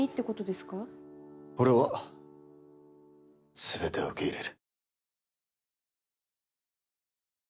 俺は全てを受け入れる。